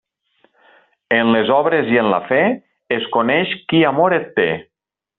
En les obres i en la fe, es coneix qui amor et té.